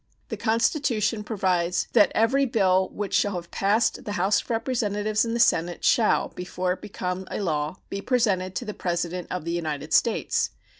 The Constitution provides that Every bill which shall have passed the House of Representatives and the Senate shall, before it become a law, be presented to the President of the United States.